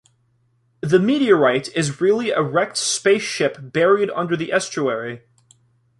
The meteorite is really a wrecked spaceship buried under the estuary.